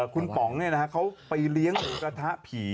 คุณป๋องเขาไปเลี้ยงหมูกระทะผี